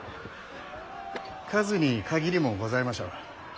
数に限りもございましょう。